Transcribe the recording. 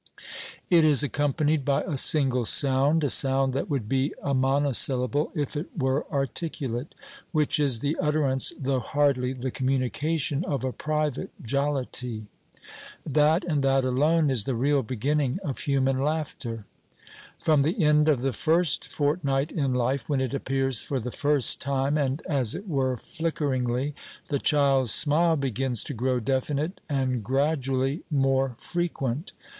It is accompanied by a single sound a sound that would be a monosyllable if it were articulate which is the utterance, though hardly the communication, of a private jollity. That and that alone is the real beginning of human laughter. From the end of the first fortnight in life, when it appears for the first time, and as it were flickeringly, the child's smile begins to grow definite and, gradually, more frequent.